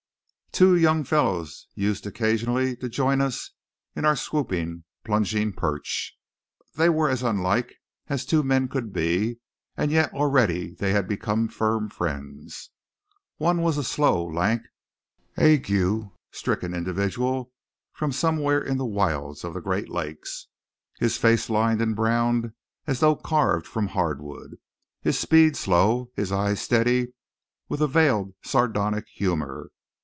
Two young fellows used occasionally to join us in our swooping, plunging perch. They were as unlike as two men could be, and yet already they had become firm friends. One was a slow, lank, ague stricken individual from somewhere in the wilds of the Great Lakes, his face lined and brown as though carved from hardwood, his speed slow, his eyes steady with a veiled sardonic humour.